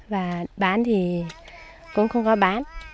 và bán thì cũng không có bán